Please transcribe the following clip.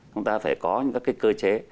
chúng ta phải có những cái cơ chế